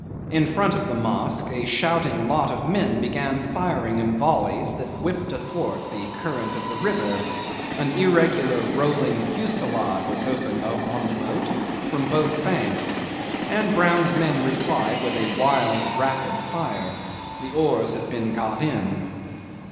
In front of the mosque a shouting lot of men began firing in volleys that whipped athwart the current of the river; an irregular, rolling fusillade was opened on the boat from both banks, and Brown's men replied with a wild, rapid fire. The oars had been got in.